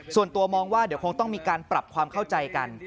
ส่วนตัวมองว่าเดี๋ยวคงต้องมีการปรับความเข้าใจกัน